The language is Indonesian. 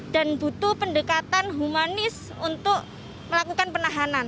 dan butuh pendekatan humanis untuk melakukan penahanan